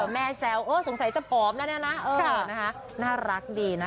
แซวเออสงสัยจะผอมแล้วเนี่ยนะน่ารักดีนะ